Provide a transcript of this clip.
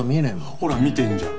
ほら見てるじゃん。